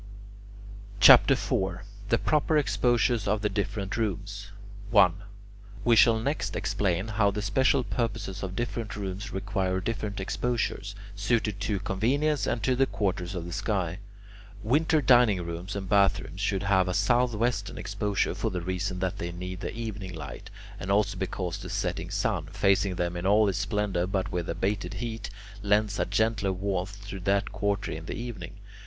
CHAPTER IV THE PROPER EXPOSURES OF THE DIFFERENT ROOMS 1. We shall next explain how the special purposes of different rooms require different exposures, suited to convenience and to the quarters of the sky. Winter dining rooms and bathrooms should have a southwestern exposure, for the reason that they need the evening light, and also because the setting sun, facing them in all its splendour but with abated heat, lends a gentler warmth to that quarter in the evening.